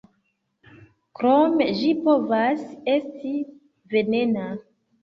Krome ĝi povas esti venena.